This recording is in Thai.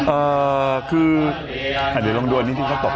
อ่าคือเดี๋ยวลองดูอันนี้ที่เขาตกก่อนนะ